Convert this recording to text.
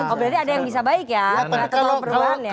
oh berarti ada yang bisa baik ya